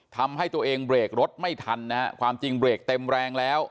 ทำให้ตัวเองเบรกรถไม่ทันนะฮะความจริงเบรกเต็มแรงแล้ว